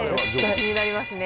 気になりますね。